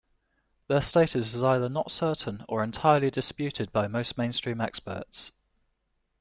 Their status is either not certain or entirely disputed by most mainstream experts.